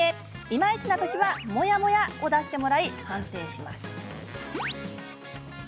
いまいちな時はモヤモヤを出してもらい、判定します。